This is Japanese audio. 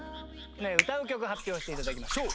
歌う曲発表して頂きましょう。